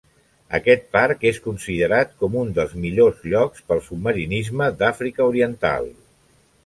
Aquest parc és considerat com un dels millors llocs pel submarinisme d'Àfrica oriental.